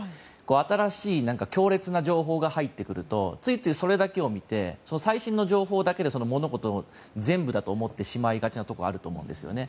新しい強烈な情報が入ってくるとついついそれだけを見て最新の情報だけで物事を全部だと思ってしまいがちなところがあると思うんですね。